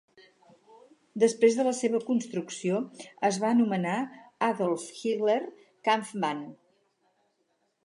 Després de la seva construcció, es va anomenar "Adolf-Hitler-Kampfbahn".